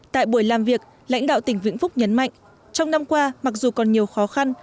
tại buổi làm việc lãnh đạo tỉnh vĩnh phúc nhấn mạnh trong năm qua mặc dù còn nhiều khó khăn